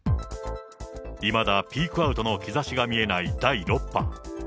いまだピークアウトの兆しが見えない第６波。